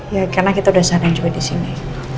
ya karena kita udah sadar juga disini